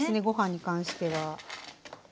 ご飯に関しては。